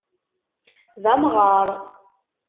D amɣaṛ.